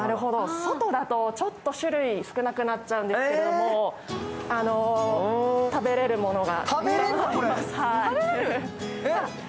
外だとちょっと種類が少なくなっちゃうんですけれど食べれるものが。